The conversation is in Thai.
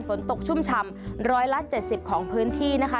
ชุ่มฉ่ำร้อยละ๗๐ของพื้นที่นะคะ